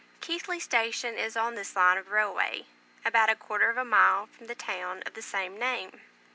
Keighley station is on this line of railway, about a quarter of a mile from the town of the same name.